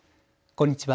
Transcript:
こんにちは。